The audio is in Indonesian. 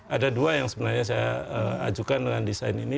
ada dua yang sebenarnya saya ajukan dengan desain ini